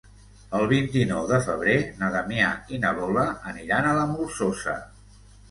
El vint-i-nou de febrer na Damià i na Lola aniran a la Molsosa.